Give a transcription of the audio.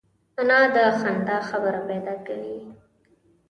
انا د خندا خبره پیدا کوي